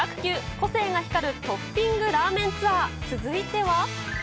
個性が光るトッピングラーメンツアー、続いては。